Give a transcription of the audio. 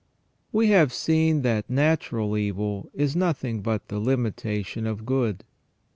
WE have seen that natural evil is nothing but the limitation of good.